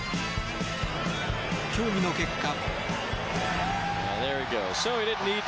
協議の結果。